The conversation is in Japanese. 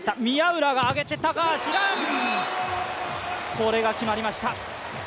これが決まりました。